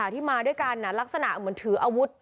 ที่มาด้วยกันลักษณะเหมือนถืออาวุธ